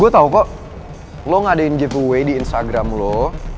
gue tau kok lo ngadain giveaway di instagram lo